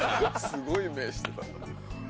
すごい目してたな。